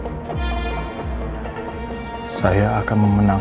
ibadah ciri famous gua contohnya komen ar ceramic